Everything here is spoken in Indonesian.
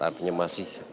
artinya masih akhir